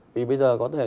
vì bây giờ có thể